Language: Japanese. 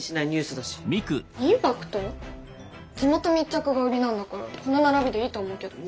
地元密着が売りなんだからこの並びでいいと思うけど。